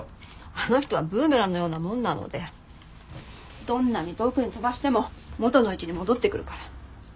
あの人はブーメランのようなもんなのでどんなに遠くに飛ばしても元の位置に戻ってくるから。